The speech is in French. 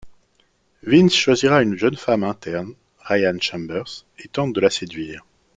Vince choisira une jeune femme interne, Ryan Chambers et tente de la séduire.